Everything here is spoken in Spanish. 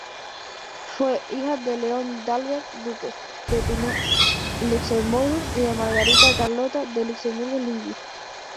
Fue hija de Leon d'Albert Duque de Pine-Luxemburgo y de Margarita Carlota de Luxemburgo-Linyi.